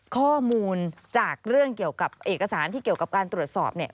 ข้อมูลจากเรื่องเกี่ยวกับเอกสารที่เกี่ยวกับการตรวจสอบเนี่ย